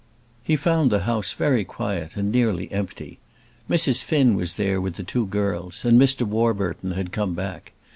He found the house very quiet and nearly empty. Mrs. Finn was there with the two girls, and Mr. Warburton had come back.